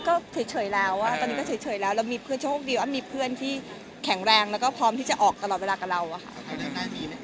ก็เฉยแล้วตอนนี้ก็เฉยแล้วแล้วมีเพื่อนโชคดีอ้ำมีเพื่อนที่แข็งแรงแล้วก็พร้อมที่จะออกตลอดเวลากับเราอะค่ะ